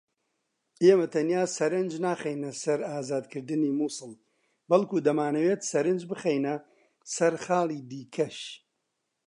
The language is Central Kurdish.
ئێمە تەنیا سەرنج ناخەینە سەر ئازادکردنی موسڵ بەڵکو دەمانەوێت سەرنج بخەینە سەر خاڵی دیکەش